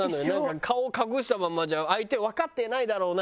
顔隠したまんまじゃ相手わかってないだろうなとか。